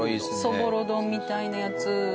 そぼろ丼みたいなやつ。